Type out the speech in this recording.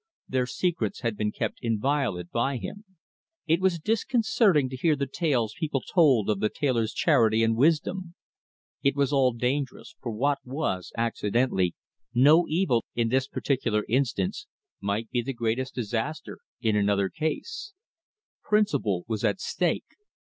Their secrets had been kept inviolate by him. It was disconcerting to hear the tales people told of the tailor's charity and wisdom. It was all dangerous, for what was, accidentally, no evil in this particular instance, might be the greatest disaster in another case. Principle was at stake.